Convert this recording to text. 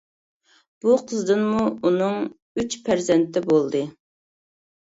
بۇ قىزدىنمۇ ئۇنىڭ ئۈچ پەرزەنتى بولدى.